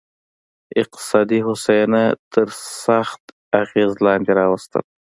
اقتصادي هوساینه تر سخت اغېز لاندې راوستل.